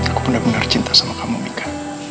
aku benar benar cinta sama kamu mika